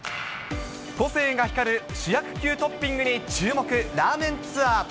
個性が光る主役級トッピングに注目ラーメンツアー。